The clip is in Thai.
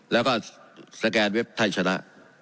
แล้วก็สแกนเว็บไทยชนะ